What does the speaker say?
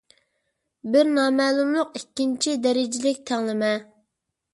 بىر نامەلۇملۇق ئىككىنچى دەرىجىلىك تەڭلىمە